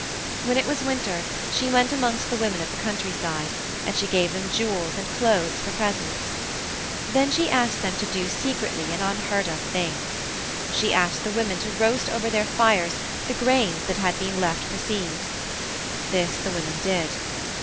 "When it was winter she went amongst the women of the countryside, and she gave them jewels and clothes for presents. Then she asked them to do secretly an unheard of thing. She asked the women to roast over their fires the grains that had been left for seed. This the women did.